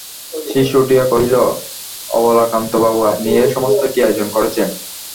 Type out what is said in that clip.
শ্রীশ উঠিয়া কহিল, অবলাকান্তবাবু, আপনি এ-সমস্ত কী আয়োজন করেছেন?